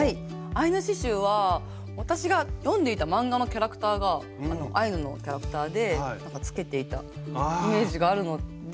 アイヌ刺しゅうは私が読んでいた漫画のキャラクターがアイヌのキャラクターでなんかつけていたイメージがあるので。